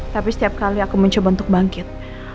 tapi setiap kali aku muncul bentuk bangkit